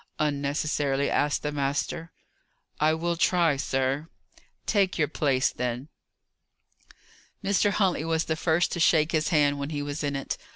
unnecessarily asked the master. "I will try, sir." "Take your place, then." Mr. Huntley was the first to shake his hand when he was in it.